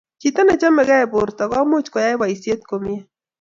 chito ne chamegei borto ko much kuyai boisie komye